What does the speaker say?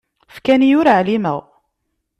Fkan-iyi ur ɛlimeɣ.